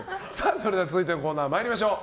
それでは続いてのコーナー参りましょう。